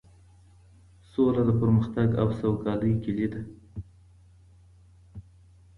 سوله د پرمختګ او سوکالۍ کيلي ده.